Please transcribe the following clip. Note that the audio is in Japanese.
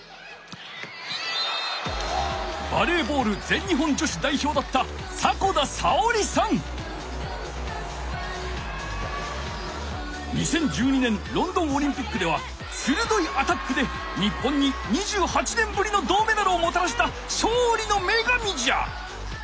バレーボールぜん日本女子だいひょうだった２０１２年ロンドンオリンピックではするどいアタックで日本に２８年ぶりの銅メダルをもたらしたしょうりのめがみじゃ！